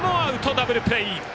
ダブルプレー。